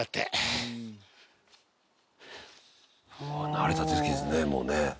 「慣れた手つきですねもうね」